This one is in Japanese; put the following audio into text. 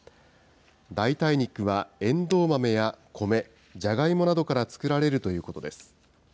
代替肉はエンドウ豆や米、ジャガイモなどから作られるということです。